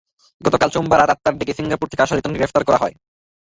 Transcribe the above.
গতকাল সোমবার রাত আটটার দিকে সিঙ্গাপুর থেকে আসা লিটনকে গ্রেপ্তার করা হয়।